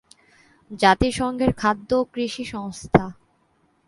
জাতিসংঘের খাদ্য ও কৃষি সংস্থা।